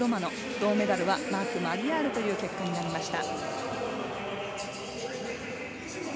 銅メダルはマーク・マリヤールという結果になりました。